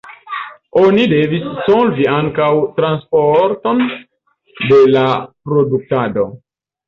Oni devis solvi ankaŭ transporton de la produktado.